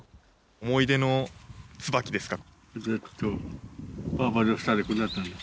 思い出のツバキですか？